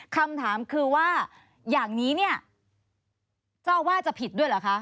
คำถามคือว่าอย่างนี้เนี่ยเจ้าอาวาสจะผิดด้วยเหรอคะ